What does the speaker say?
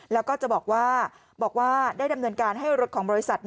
แล้วก็จะบอกว่าบอกว่าได้ดำเนินการให้รถของบริษัท